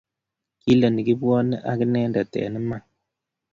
Kiileni kibwoni akinendet eng' iman?